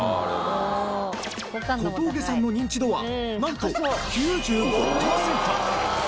小峠さんのニンチドはなんと９５パーセント。